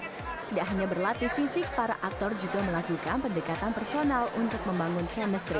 tidak hanya berlatih fisik para aktor juga melakukan pendekatan personal untuk membangun chemistry